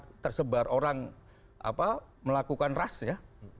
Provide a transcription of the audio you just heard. kemarin baru tersebar orang melakukan ras ya